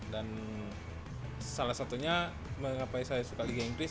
dan salah satunya mengapa saya suka liga inggris